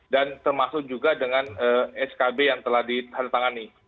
dan termasuk juga dengan skb yang telah ditangani